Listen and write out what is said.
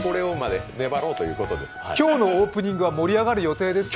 今日のオープニングは盛り上がる予定ですか。